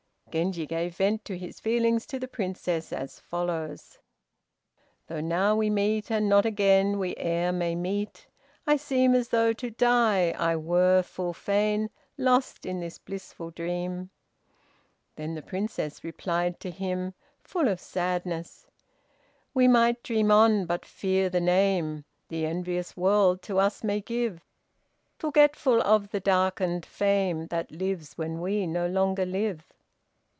Genji gave vent to his feelings to the Princess, as follows: "Though now we meet, and not again We e'er may meet, I seem As though to die, I were full fain Lost in this blissful dream." Then the Princess replied to him, full of sadness: "We might dream on but fear the name, The envious world to us may give, Forgetful of the darkened fame, That lives when we no longer live."